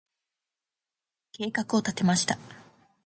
計画を立てました。